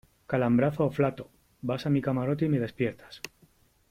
calambrazo o flato . vas a mi camarote y me despiertas .